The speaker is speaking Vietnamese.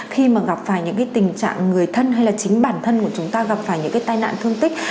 khi mà gặp phải những cái tình trạng người thân hay là chính bản thân của chúng ta gặp phải những cái tai nạn thương tích